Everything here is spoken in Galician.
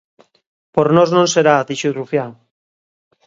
Por nós non será, dixo Rufián.